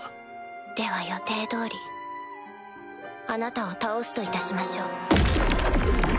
では予定通りあなたを倒すといたしましょう。